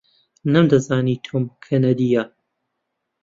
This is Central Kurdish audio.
نەمدەزانی تۆم کەنەدییە.